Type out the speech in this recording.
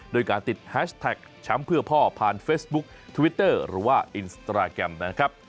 โดยการติดแฮชแท็กแชมป์เพื่อพ่อผ่านเฟซบุ๊คทวิตเตอร์หรือว่าอินสตราแกรมนะครับ